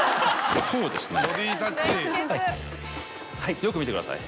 よく見てください。